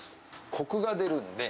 こくが出るんで。